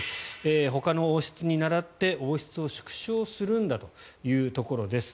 ほかの王室に倣って、王室を縮小するんだというところです。